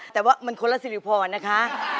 แต่ว่ามันคนละสิริพรนะคะ